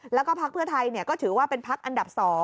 และภักดิ์เพื่อไทยก็ถือว่าเป็นภักดิ์อันดับ๒